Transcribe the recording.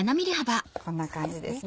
こんな感じですね。